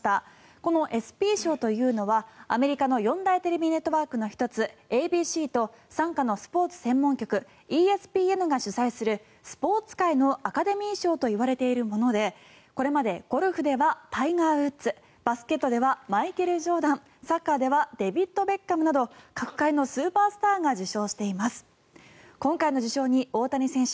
このＥＳＰＹ賞というのはアメリカの四大テレビネットワークの１つＡＢＣと傘下のスポーツ専門局ＥＳＰＮが主催するスポーツ界のアカデミー賞といわれているものでこれまでゴルフではタイガー・ウッズバスケットではマイケル・ジョーダンサッカーではデビッド・ベッカムなど各界のスーパースターが受賞しています。